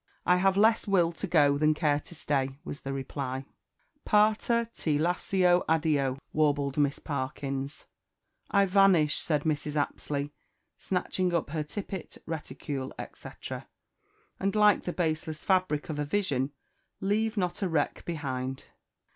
"I have less will to go than care to stay," was the reply. "Parta ti lascio adio," warbled Miss Parkins. "I vanish," said Mrs. Apsley, snatching up her tippet, reticule, etc., "and, like the baseless fabric of a vision, leave not a wreck behind."